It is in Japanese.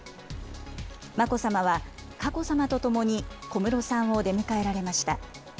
眞子さまは佳子さまと共に、小室さんを出迎えられました。